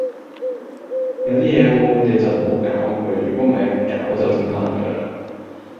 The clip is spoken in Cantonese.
有啲嘢好好地就唔好搞佢，如果唔係一搞就整爛㗎啦